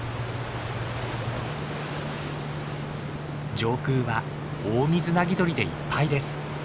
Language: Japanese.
上空はオオミズナギドリでいっぱいです。